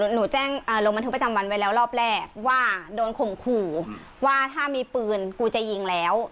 หนูแจ้งลงบันทึกประจำวันไว้แล้วรอบแรกว่าโดนข่มขู่ว่าถ้ามีปืนกูจะยิงแล้ว